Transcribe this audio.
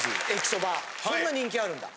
そんな人気あるんだ。